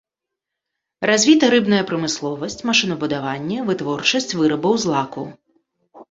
Развіта рыбная прамысловасць, машынабудаванне, вытворчасць вырабаў з лаку.